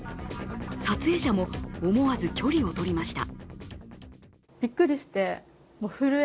撮影者も思わず距離をとりました。